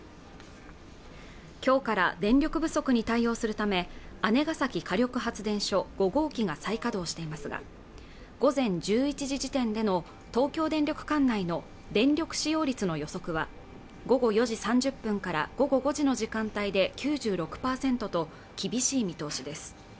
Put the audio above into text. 今日から電力不足に対応するため姉崎火力発電所５号機が再稼働していますが午前１１時時点での東京電力管内の電力使用率の予測は午後４時３０分から午後５時の時間帯で９６％と厳しい見通しです